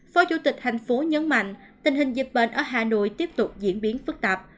phó chủ tịch thành phố nhấn mạnh tình hình dịch bệnh ở hà nội tiếp tục diễn biến phức tạp